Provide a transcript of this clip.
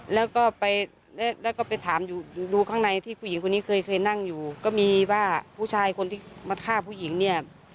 แล้วก็ไปแล้วก็ไปถามอยู่ดูข้างในที่ผู้หญิงคนนี้เคยนั่งอยู่ก็มีว่าผู้ชายคนที่มาฆ่าผู้หญิงเนี่ย